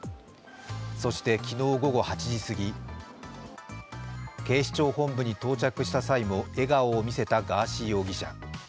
そして昨日午後８時過ぎ、警視庁本部に到着した際も笑顔を見せたガーシー容疑者。